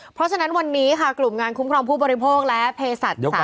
เพราะฉะนั้นวันนี้ค่ะกลุ่มงานคุ้มครองผู้บริโภคและเพศัทรศาสตร์ธรรมนาศุกร